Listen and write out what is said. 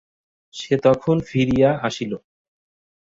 সে তখন ফিরিয়া আসিল।